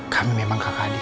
kami memang kakak adik